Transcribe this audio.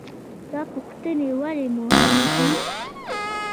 دا پوښتنې ولې مهمې دي؟